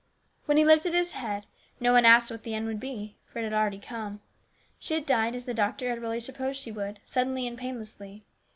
When he lifted his head, no one asked what the end would be, for it had already come. She had died, as the doctor had really supposed she would, suddenly and painlessly.